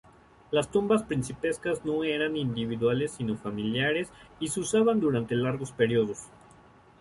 Las tumbas principescas no eran individuales sino familiares, y se usaban durante largos períodos.